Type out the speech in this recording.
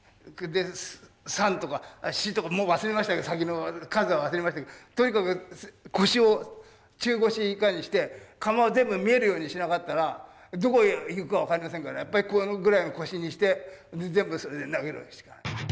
もう忘れましたけど先の数は忘れましたけどとにかく腰を中腰以下にして窯を全部見えるようにしなかったらどこへいくか分かりませんからやっぱりこのぐらいの腰にして全部それで投げるわけですから。